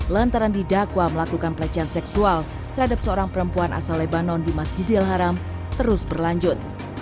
lantaran didakwa melakukan pelecehan seksual terhadap seorang perempuan asal lebanon di masjidil haram terus berlanjut